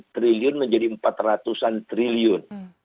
triliun menjadi empat ratus an triliun